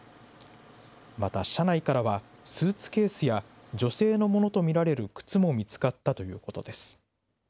また車内からは、スーツケースや女性のものと見られる靴も見つかったということです。